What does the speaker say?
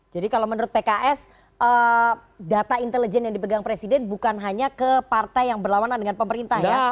jadi kalau menurut pks data intelijen yang dipegang presiden bukan hanya ke partai yang berlawanan dengan pemerintah ya